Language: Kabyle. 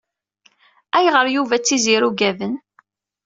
Ayɣer Yuba d Tiziri uggaden?